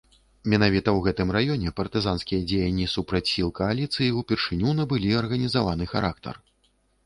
Менавіта ў гэтым раёне партызанскія дзеянні супраць сіл кааліцыі ўпершыню набылі арганізаваны характар.